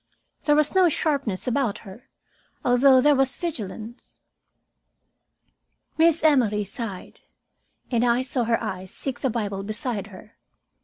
There was no sharpness about her, although there was vigilance. Miss Emily sighed, and I saw her eyes seek the Bible beside her.